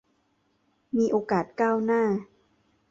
มีโอกาสก้าวหน้า